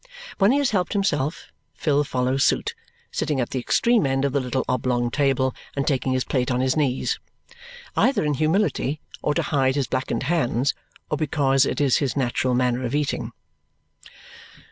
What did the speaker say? When he has helped himself, Phil follows suit, sitting at the extreme end of the little oblong table and taking his plate on his knees. Either in humility, or to hide his blackened hands, or because it is his natural manner of eating.